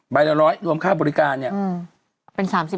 ใบละ๑๐๐รวมค่าบริการเนี่ยเป็น๓๐ล้าน